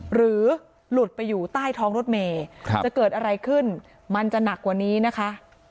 หลุดไปอยู่ใต้ท้องรถเมย์จะเกิดอะไรขึ้นมันจะหนักกว่านี้นะคะ